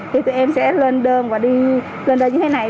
thì tụi em sẽ lên đơn và đi lên như thế này